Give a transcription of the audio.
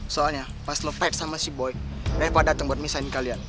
soalnya pas lo fight sama si boy daripada datang buat misahin kalian